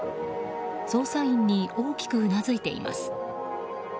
捜査員に大きくうなずいています。